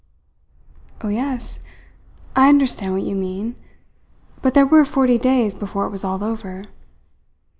"Oh, yes I understand what you mean; but there were forty days before it was all over."